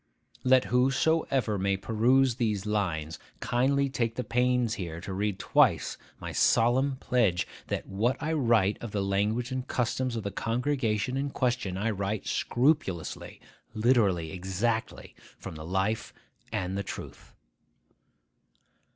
Let whosoever may peruse these lines kindly take the pains here to read twice my solemn pledge, that what I write of the language and customs of the congregation in question I write scrupulously, literally, exactly, from the life and the truth.